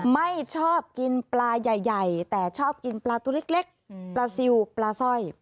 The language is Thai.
ไม่ชอบกินปลาใหญ่แต่ชอบกินปลาตัวเล็กปลาซิลปลาสร้อย